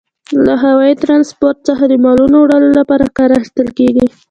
له هوايي ترانسپورت څخه د مالونو وړلو لپاره کار اخیستل کیږي.